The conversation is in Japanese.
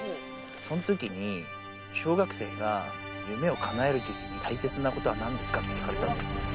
そのときに、小学生が夢をかなえるときに大切なことはなんですか？って聞かれたんです。